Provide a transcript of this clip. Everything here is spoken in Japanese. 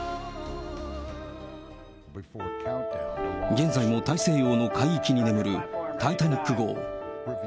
現在も大西洋の海域に眠る、タイタニック号。